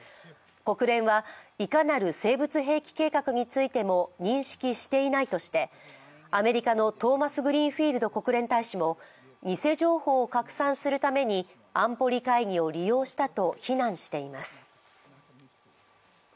国連はいかなる生物兵器計画についても認識していないとして、アメリカのトーマスグリーンフィールド国連大使も偽情報を拡散するために安保理会議を利用したと非難しています